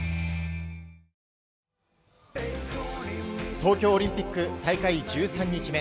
東京オリンピック、大会１３日目。